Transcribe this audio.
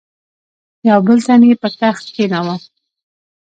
یو بل تن یې پر تخت کښېناوه.